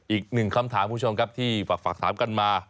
อีกหนึ่งคำถามคุณผู้ชมครับที่ฝากถามกันมา